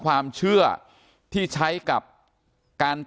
การแก้เคล็ดบางอย่างแค่นั้นเอง